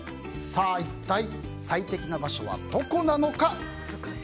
一体、最適な場所はどこなのか。